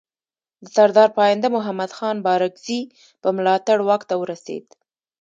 د سردار پاینده محمد خان بارکزي په ملاتړ واک ته ورسېد.